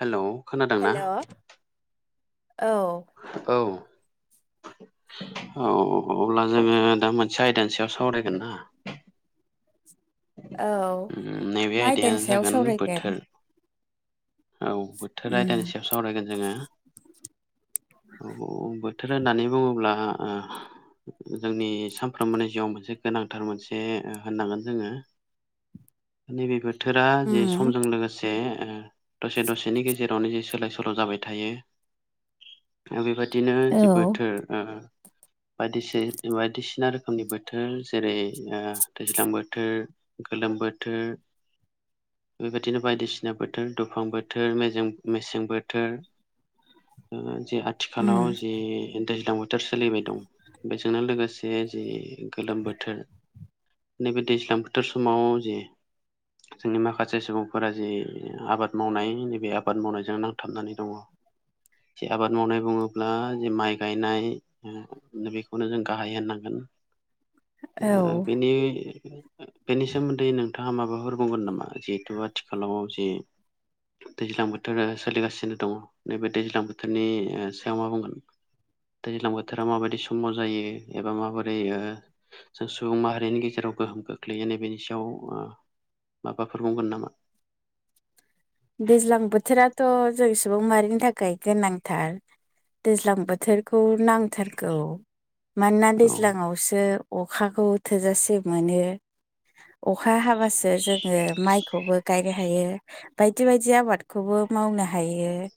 Hello खोनादोंना hello औ [inaudible] औ अब्ला जोङो दा मोनसे आयदानि सायाव सावरायगोन ना औ उम नैबे मा आयदायानो आयदानि सायाव जागोन बोथोर सावरायगोन? औ बोथोर आयदानि उम सायाव सावरायगोन जोङो औ बोथोर होननानै बुङोब्ला ओ जोंनि सानफ्रोमबोनि जिउआव मोनसे गोनांथार मोनसे होननांगोन जोङो नैबे बोथोरा जे उम समजों लोगोसे दसे दसेनि गेजेरावनो जे सोलाय सोल' जाबाय थायो आरो बेबायदि बिदिनो औ जे बोथोर ओ बायदि बायदिसिना रोखोमनि बोथोर जेरै ओ दैज्लां बोथोर गोलोम बोथोर बेबायदिनो बायदिसिना बोथोर दुफां बोथोर मेजें मेसें बोथोर ओ जे उम आथिखालाव जि दैज्लां बोथोर सोलिबाय दं बेजोंनो लोगोसे जि गोलोम बोथोर नैबे दैज्लां बोथोर समाव जे जोंनि माखासे सुबुंफोरा जि आबाद मावनाय नैबे आबाद मावनायजों नांथाबनानै दङ जे आबाद मावनाय बुङोब्ला जे माइ गायनाय बेखौनो जों गाहाय होननांगोन औ बिनि बेनि सोमोन्दै नोंथाङा माबाफोर बुंगोन नामा जिहेतु आथिखालाव जे [inaudible] दैज्लां बोथोर सोलिगासिनो दङ नैबे दैज्लां बोथोरनि सायाव मा बुंगोन? दैज्लां बोथोराव माबायदि समाव जायो एबा माबोरै ओ? जों सुबुं माहारिनि गेजेराव गोहोम खोख्लैयो नै बेनि सायाव ओ माबाफोर बुंगोन नामा? दैज्लां बोथोराथ' जों सुबुं माहारिनि थाखाय गोनांथार दैज्लां बोथोरखौ नांथारगौ मानोना औ दैज्लांआवसो अखाखौ थोजासे मोनो अख अखा हाबासो जोङो माइखौबो गायनो हायो बायदि बायदि आबादखौबो मावनो हायो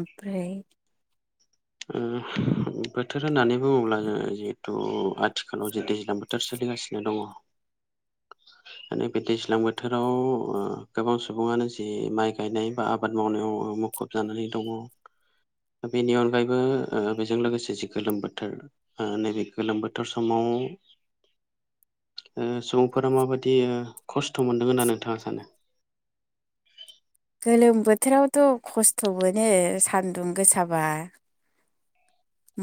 ओमफ्राय ओ बोथोर होननानै बुङोब्ला जोङो जिहेथु आथिखालाव जे दैज्लां बोथोर सोलि सोलिगासिनो दङ नैबे दैज्लां बोथोराव गोबां सुबुङानो जि माइ गायनाय बा आबाद मावनायाव मुखुब जानानै दङ बेनि अनगायै बेजों लोगोसे जि गोलोम बोथोर ओ नैबे गोलोम बोथोर समाव [inaudible] ओ सुबुंफोरा माबायदि खस्थ' मोनदों होनना नोंथाङा सानो? [inaudible] गोलोम बोथोरावथ' खस्थ' मोनो सान्दुं गोसाबा।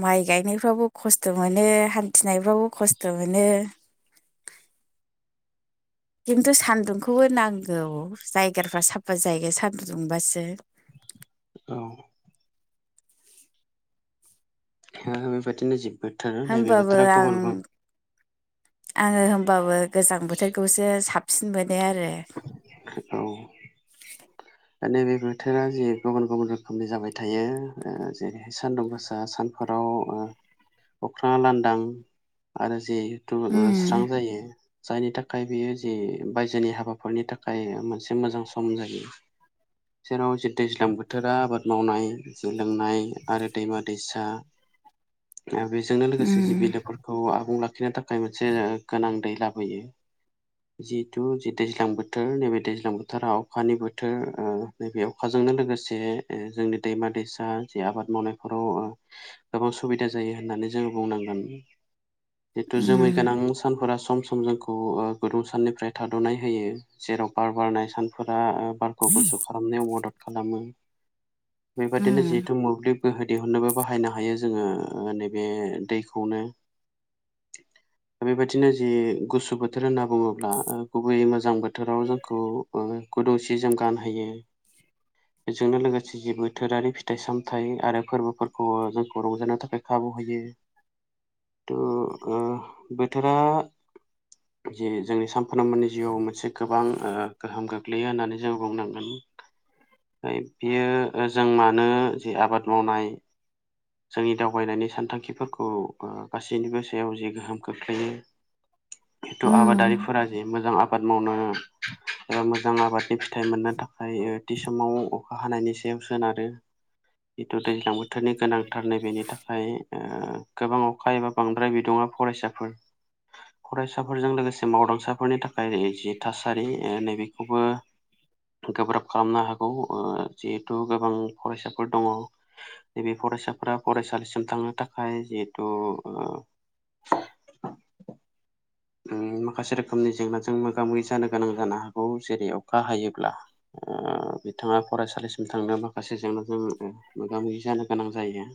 माइ गायनायफ्रावबो खस्थ' मोनो हान्थिनायफ्रावबो खस्थ' मोनो। [inaudible] खिन्थु सान्दुंखौबो नांगौ जायगाफ्रा साफा जायगा सान्दुं दुंबासो। औ। बेबायदिनो जिब बोथोर नैबे होमबाबो बोथोरा आं गुबुन गु आङो होमबाबो गोजां बोथोरखौसो साबसिन मोनो आरो औ। दा नैबे बोथोरा जि गुबुन गुबुन रोखोमनि जाबाय थायो जेरैहाय सानदुं गोसा सानफोराव। अख्राङा लांदां आरो जे स्रां उम जायो जायनि थाखाय बेयो जे बायजोनि हाबाफोरनि थाख थाखाय मोनसे मोजां सम जायो। जेराव जि दैज्लां बोथोरा आबाद मावनाय जे लोंनाय आरो दैमा दैसा। बेजोंनो लोगोसे जि उम बिलोफोरखौ आबुं लाखिनो थाखाय मोनसे गोनां दै। लाबोयो जिहेथु दैज्लां बोथ बोथोर नैबे दैज्लां बोथोरा अखानि बोथोर नैबे अखाजोंनो लोगोसे जोंनि दैमा। दैसा जे आबाद मावनायफोराव गोबां सुबिदा जायो होननानै जोङो बुंनांगोन। जिथु जोमै उम गोनां सानफोरा सम सम जोंखौ गुदुं साननिफ्राय थाद'नाय होयो। जेराव बार बारनाय सानफोरा बारखौ गुसु खालामनायाव मदद खालामो।। बेबायदिनो उम जिहेथु मोब्लिब गोहो दिहुननोबो बाहायनो हायो जोङो नैबे दैखौनो। दा बेबायदिनो जि गुसु बोथोर होनना बुङोब्ला गुबैयै मोजां बोथ बोथोराव जोंखौ गुदुंसि जोम गानहोयो। बेजोंनो लोगोसे जि बोथोरारि फिथाइ सामथाइ आरो फोरबोफोरखौबो जोंखौ रंजानो थाखाय खाबु। खाबु होयो बोथोरा जे जोंनि सानफ्रोमबोनि जिवाव मोनसे गोबां ओ गोहोम गोग्लैयो होननानै जों बुंनांगोन। बियो जों मानो जि आबाद मावनाय जोंनि दावबायनायनि सानथांखिफोरखौ गासैनिबो सायाव जि गोहोम खोख्लैयो। जिथु उम आबादारिफोरा जे मोजां आबाद मावनो। एबा मोजां आबादनि फिथाइ मोननो थाखाय थि समाव अखा हानायनि सायाव सोनारो। जिथु दैज्लां बोथोरनि गोनां थारनै बेेनि थाखाय ओ गोबां अखा एबा बांद्राय बिदुङा फरायसाफोर। फरायसाफोरजों लोगोसे मावदांसाफोरनि थाखाय जि थासारि नैबेखौबो। गोब्राब खालामनो हागौ ओ जिहेथु गोबां फरायसाफोर दङ नैबे फरायसा फरायसालिसिम थांनो थाखाय जिहेथु ओ [inaudible] ओम माखासे रोखोमनि जेंनाजों मोगा मोगि जानो गोनां जानो हागौ जेरै अखा हायोब्ला। ओ बिथाङा फरायसालिसिम थांनायाव माखासे जेंनाजों मोगा मोगि जानो गोनां जायो।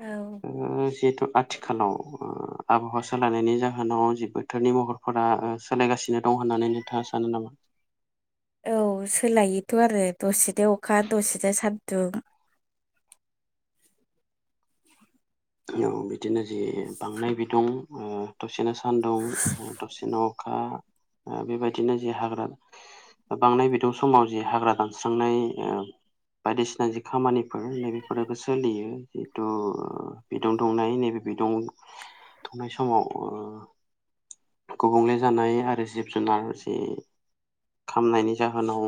औ उम जितु आथिखालाव आबहावा सोलायनायनि जाहोनाव जि बोथोरनि महरफोरा सोलायगासिनो दं होन नानै नोथाङा सानो नामा? औ सोलायोथ' आरो दसेजों अखा दसेनो सान्दुं [inaudible] औ बिदिनो जि बांनाय बिदुं दसेनो ओ सानदुं दसेनो अखा बेबायदिनो जे हाग्रा। बांनाय बेदुं समाव जि हाग्रा दानस्रांनाय। बायदिसिना जि खामानिफोर नैबेफोराबो सोलियो जिथु बिदुं दंनाय नैबे बिदुं दुंनाय समाव ओ। गुबुंले जानाय आरो जिब जुनार जि खामनायनि जाहोनाव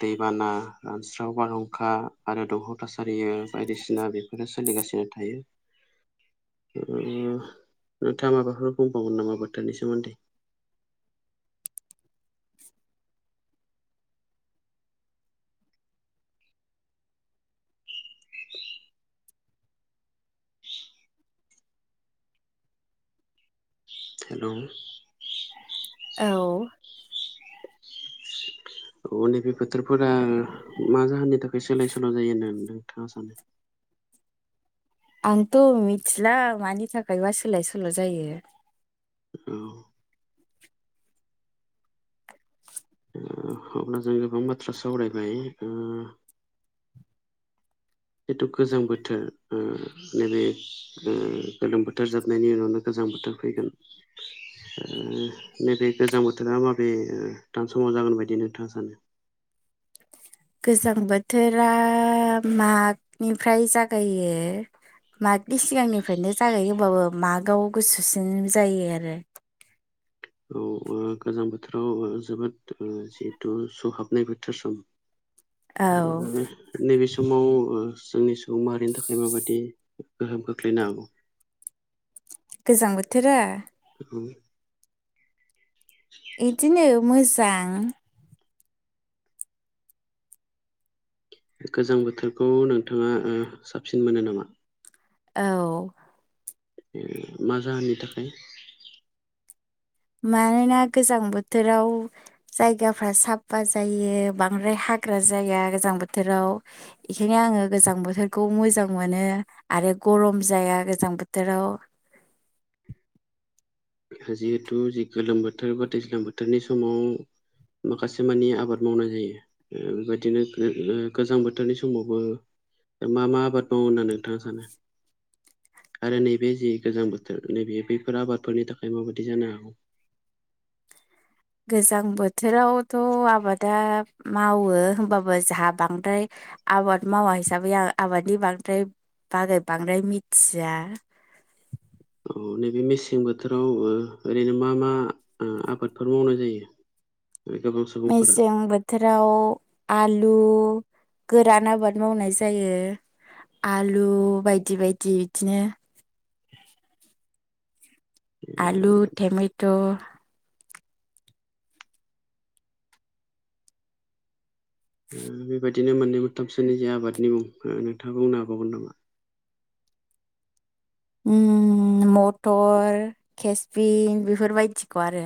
दैबाना ओ रानस्राव बारहुंखा आरो दह थासारियो बायदिसिना बेफोरो सोलिगासिनो थायो। नोंथाङा माबाफोर बुंबागोन नामा बोथोरनि सोमोन्दै [inaudible] हेलौ औ अने बे बोथोरफोरा मा जाहोननि थाखाय सोलाय सोल' जायो होननानै नोंथाङा सानो? [inaudible] आंथ' मिथिला मानि थाखायबा सोलाय सोल' जायो। औ ओ जखौ [unintelligible] बाथ्रा सावरायबाय ओ जिथु गोजां बोथोर ओ नैबे गोलोम बोथोर जाबनायनि उनावनो गो गोजां बोथोर फैगोन। उम नैबे गोजां बोथोरा माबे थानसाव [unintelligible] जागोन बायदि नोंथाङा सानो। [inaudible] गोजां बोथोरा मागनिफ्राय जागायो। मागनि सिगांनिफ्रायनो जागायो हबाबो मागआव गुसुसिन जायो आरो औ गोजां बोथोराव जोबोद जिहेथु सौहाबनाय बोथोर सम औ नैबे समाव ओ जोंनि सुबुं माहारिनि थाखाय माबायदि गोहोम खोख्लैनो हागौ? गोजां बोथोरा उम इदिनो मोजां। गोजां बोथोरखौ नोंथाङा साबसिन मोनो नामा? औ मा जाहोननि थाखाय? मानोना गोजां बोथोराव जायगाफ्रा साफफा जायो बांद्राय हा हाग्रा जाया गोजां बोथोराव बेखायनो आङो गोजां बोथोरखौ मोजां मोनो। आरो गरम जाया गोजां बोथोराव [inaudible] जिहेथु जि गोलोम बोथोर बा दैैज्लाम बोथोरनि समाव माखासे मानि आबाद मावनाय जायो ओ बेबायदिनो गोजां बोथोरनि समावबो मा मा आबाद मावो होनानै नोंथाङा सानो? आरो नैबे जि गोजां बोथोर नैबे बैफोर आबादफोरनि थाखाय बे मा बादि जानो हागौ? गोजां बोथोरावथ' आबादा मावो होमबाबो जाहा बांद्राय आबाद मावा हिसाबै आं आबादनि बांद्राय बागै बांद्राय मिथिया। [inaudible] औ नैबे मेसें बोथोराव ओ ओरैनो मा मा आबादफोर मावनाय जायो। [inaudible] सुबुंफोरा मेसें बोथोराव आलु गोरान आबाद मावनाय जायो। आलु बायदि बायदि इदिनो [inaudible] ओ आलु टेमेट' ओ बेबादिनो मोननै मोनथामसोनि जे आबादनि मुं ओ नोंथांखौ बुंनो हाबावगोन नामा? ओ मटर केसबिन बेफोर बायदिखौ आरो।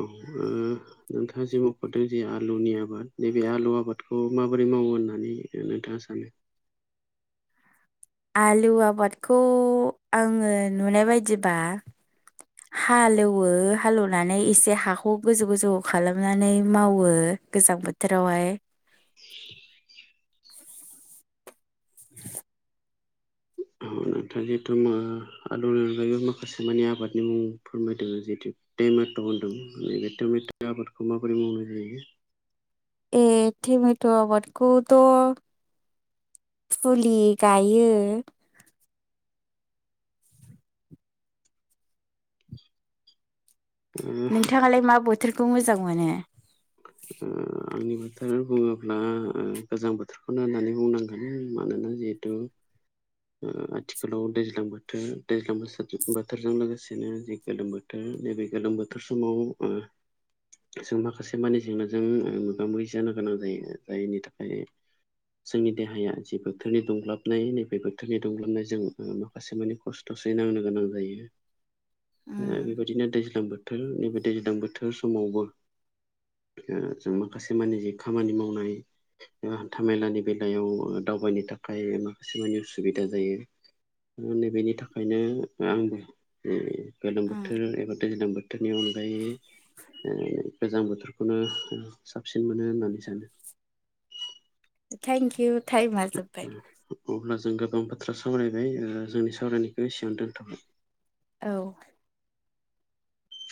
औ नोंथाङा जि मख'दों जे आलुनि आबाद नैबे आलु आबादखौ मा बादि मावो होननानै नोंथाङा सानो? आलु आबादखौ आङो नुनाय बायदिबा हालेवो हालेवनानै एसे हाखौ गोजौ गोजौ खालामनानै मावो। गोजां बोथोरावहाय [inaudible] [inaudible] नोंथाङा जिहेथु ओ आलुनि अनगायैबो माखासे मानि आबादनि मुं फोरमायदों जितु बे मा होनदों बे टमेथ' आबादखौ माबोरै मावनाय जायो? ए थेमेथ' आबादखौ थ' फुलि गायो। नोंथाङालाय मा बोथोरखौ मोजां मोनो? [inaudible] आंनि बोथोर बुङोब्ला गोजां बोथोरखौनो होननानै बुंनांगोन मानोना जिहेथु [inaudible] ओ आथिखालाव दैज्लां बोथोर दैज्लां [unintelligible] बोथोरजों लोगोसेनो जि गोलोम बोथोर नैबे गोलोम बोथोर समाव ओ जों माखासे मानि जेंनाजों ओमोगा मोगि जानो गोनां जायो जायनि थाखाय जोंनि देहाया जि बोथोरनि दुंग्लाबनाय नैबे बोथ थोरनि दुंलोबनायजों माखासे मानानि खस्थ'सैनांनो गोनां जायो। ओ उम बेबायदिनो दैज्लां बोथोर नैबे दैज्लां बोथोर समावबो ओ जों माखासे मानि जि खामानि मावनाय हान्थामेलानि बेलायाव दावबायनो थाखाय माखासेनि अ सुबिदा जायो ओ नैबेनि थाखायनो आंबो ओ गोलोम उम बोथोर एबा दैज्लां बोथोरनि अनगायै ओ गोजां बोथोरखौनो साबसिन मोनो होननानै सानो। ओ थेंक इउ‌। अब्ला जों [inaudible] गोबां बाथ्रा सावरायबाय जोंनि सावरायनायखौ एसेयाव दोनथ'बाय। औ।